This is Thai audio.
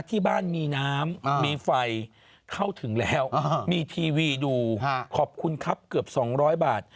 ที่บ้านมีน้ำมีไฟเข้าถึงแล้วมีทีวีดูขอบคุณครับเกือบ๒๐๐บาท